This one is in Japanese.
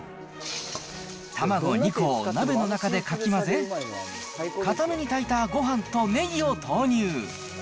卵２個を鍋の中でかき混ぜ、硬めに炊いたごはんとネギを投入。